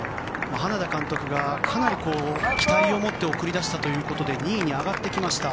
花田監督がかなり期待を持って送り出したということで２位に上がってきました。